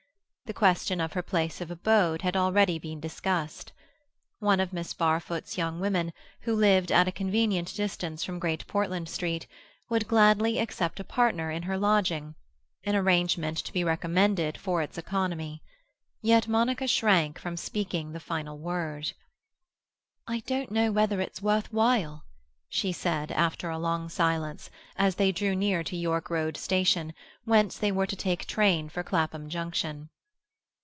The question of her place of abode had already been discussed. One of Miss Barfoot's young women, who lived at a convenient distance from Great Portland Street, would gladly accept a partner in her lodging—an arrangement to be recommended for its economy. Yet Monica shrank from speaking the final word. "I don't know whether it's worth while," she said, after a long silence, as they drew near to York Road Station, whence they were to take train for Clapham Junction.